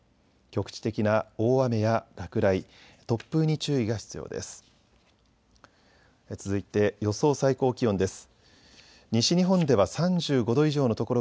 局地的な大雨や落雷、突風に注意が必要です。